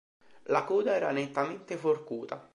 La coda era nettamente forcuta.